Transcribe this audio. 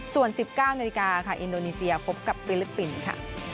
ส่วน๑๙นาทีอินโดนีเซียพบกับฟิลิปปินส์